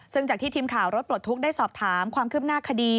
ซึ่งจากที่ทีมข่าวรถปลดทุกข์ได้สอบถามความคืบหน้าคดี